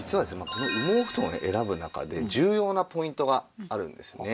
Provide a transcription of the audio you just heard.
この羽毛布団を選ぶ中で重要なポイントがあるんですね。